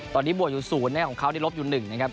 ตอนนี้บวกอยู่๐แน่ของเขานี่ลบอยู่๑นะครับ